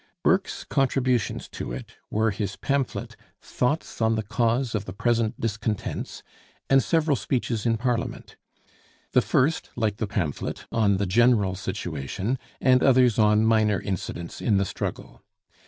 Burke's contributions to it were his pamphlet, 'Thoughts on the Cause of the Present Discontents,' and several speeches in Parliament: the first, like the pamphlet, on the general situation, and others on minor incidents in the struggle.